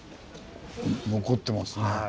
残ってますね。